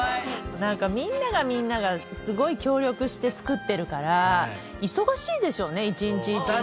なんかみんながみんながすごい協力して作ってるから忙しいでしょうね一日一日。